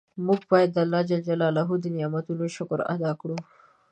مونږ باید د الله ج د نعمتونو شکر ادا کړو.